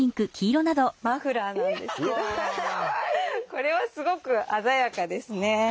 これはすごく鮮やかですね。